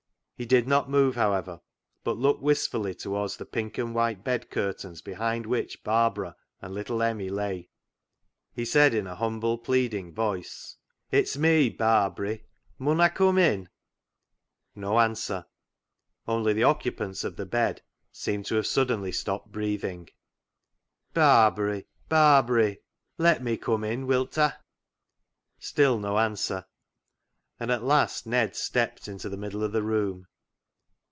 He did not move, however, but looked wistfully towards the pink and white bed curtains behind which Barbara and little Emmie lay, he said in a humble pleading voice —" It's me, Barbary, mun I cum in ?" No answer ; only the occupants of the bed seemed to have suddenly stopped breathing. 24 CLOG SHOP CHRONICLES " Barbary ! Barbary ! let me cum in, will ta?" Still no answer, and at last Ned stepped into the middle of the room.